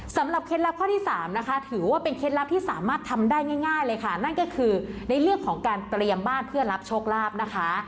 เคล็ดลับข้อที่สามนะคะถือว่าเป็นเคล็ดลับที่สามารถทำได้ง่ายเลยค่ะนั่นก็คือในเรื่องของการเตรียมบ้านเพื่อรับโชคลาภนะคะ